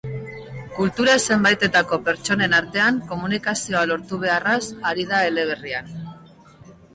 Kultura zenbaitetako pertsonen artean komunikazioa lortu beharraz ari da eleberrian.